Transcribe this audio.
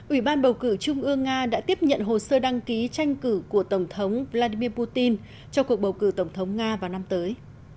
ủy ban bầu cử trung ương nga đã tiếp nhận hồ sơ đăng ký tranh cử của tổng thống vladimir putin cho cuộc bầu cử tổng thống nga vào năm tới